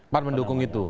pan mendukung itu